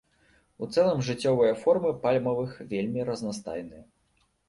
У цэлым жыццёвыя формы пальмавых вельмі разнастайныя.